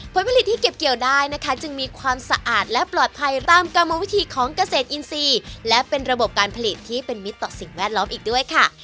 ผลผลิตที่เก็บเกี่ยวได้นะคะจึงมีความสะอาดและปลอดภัยตามกรรมวิธีของเกษตรอินทรีย์และเป็นระบบการผลิตที่เป็นมิตรต่อสิ่งแวดล้อมอีกด้วยค่ะ